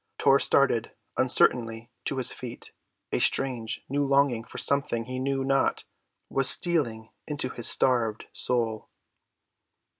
Tor started uncertainly to his feet, a strange, new longing for something he knew not what stealing into his starved soul.